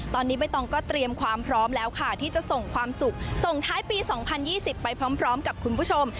ตอนนี้ใบตองก็เตรียมความพร้อมแล้วค่ะที่จะส่งความสุขส่งท้ายปี๒๐๒๐ไปพร้อมกับคุณผู้ชม